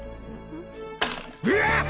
うわっ！！